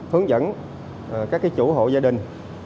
hướng dẫn các cái chủ hộ gia đình